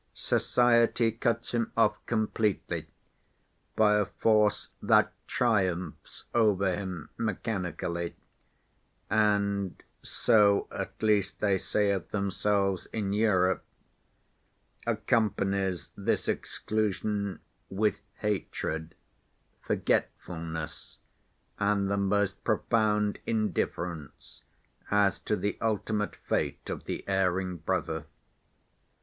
Society cuts him off completely by a force that triumphs over him mechanically and (so at least they say of themselves in Europe) accompanies this exclusion with hatred, forgetfulness, and the most profound indifference as to the ultimate fate of the erring brother.